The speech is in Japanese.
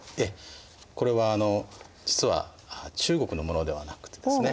これは実は中国のものではなくてですね